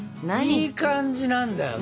いい感じなんだよな。